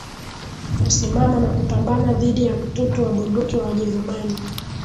kusimama na kupambana dhidi ya mtutu wa bunduki wa Wajerumani